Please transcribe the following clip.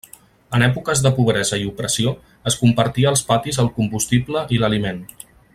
En èpoques de pobresa i opressió, es compartia als patis el combustible i l'aliment.